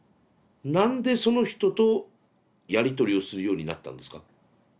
何でその人とやり取りをするようになったんですか？